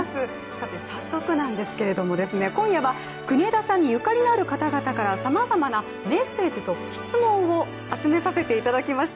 早速なんですけれども、今夜は国枝さんにゆかりのある方々からさまざまなメッセージと質問を集めさせていただきました。